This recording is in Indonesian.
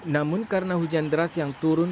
namun karena hujan deras yang turun